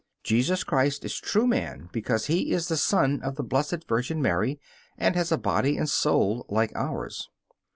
Jesus Christ is true man because He is the Son of the Blessed Virgin Mary and has a body and soul like ours.